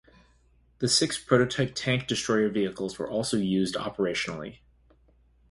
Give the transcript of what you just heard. The six prototype tank destroyer vehicles were also used operationally.